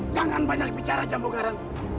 jangan banyak bicara jambu karang